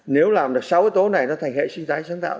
nếu làm được sáu yếu tố này nó thành hệ sinh thái sáng tạo